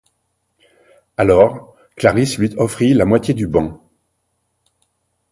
Alors, Clarisse lui offrit la moitié du banc.